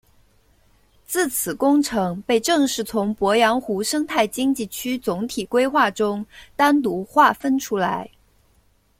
自此工程被正式从鄱阳湖生态经济区总体规划中单独划分出来。